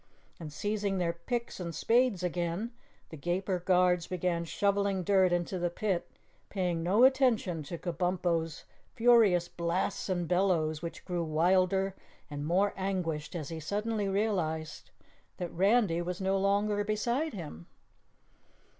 And, seizing their picks and spades again, the Gaper Guards began shoveling dirt into the pit, paying no attention to Kabumpo's furious blasts and bellows, which grew wilder and more anguished as he suddenly realized that Randy was no longer beside him.